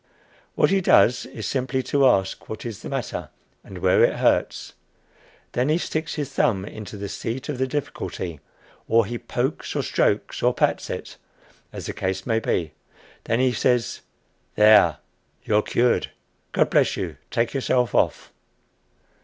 What he does is simply to ask what is the matter, and where it hurts. Then he sticks his thumb into the seat of the difficulty, or he pokes or strokes or pats it, as the case may be. Then he says, "There you're cured! God bless you! Take yourself off!"